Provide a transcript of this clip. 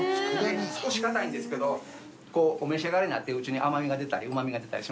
少し硬いんですけどお召し上がりになってくうちに甘味が出たりうま味が出たりしますんでね。